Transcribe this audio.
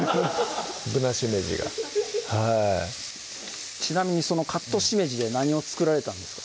ぶなしめじがはいちなみにそのカットしめじで何を作られたんですか？